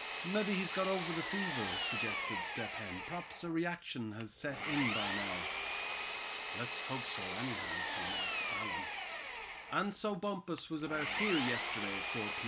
"Mebbe he's got over the fever," suggested Step Hen. "P'raps a reaction has set in by now." "Let's hope so, anyhow," remarked Allan. "And so Bumpus was about here yesterday at four P.